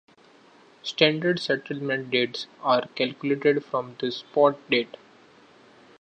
Standard settlement dates are calculated from the spot date.